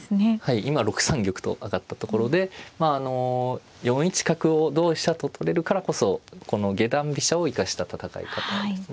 今６三玉と上がったところで４一角を同飛車と取れるからこそこの下段飛車を生かした戦い方ですね。